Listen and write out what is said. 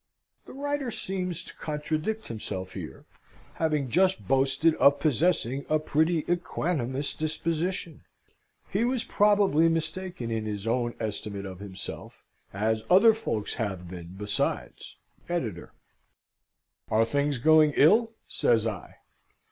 [The writer seems to contradict himself here, having just boasted of possessing a pretty equanimous disposition. He was probably mistaken in his own estimate of himself, as other folks have been besides. ED.] "Are things going ill?" says I.